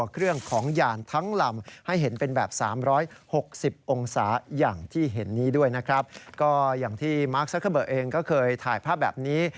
ก็อย่างที่มาร์คซักเกอร์เบอร์เองก็เคยถ่ายภาพแบบนี้